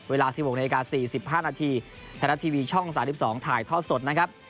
เวลา๑๖นาที๔๕นาทีไทยรัฐทีวีช่อง๓๒ถ่ายทอดสดนะครับ